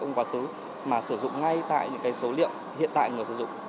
những cái số liệu của quá khứ mà sử dụng ngay tại những cái số liệu hiện tại người sử dụng